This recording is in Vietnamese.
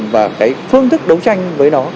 và cái phương thức đấu tranh với nó